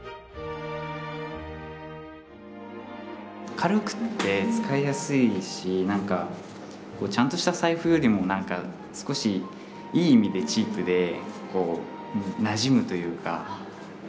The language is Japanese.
軽くって使いやすいし何かちゃんとした財布よりも何か少しいい意味でチープでなじむというか。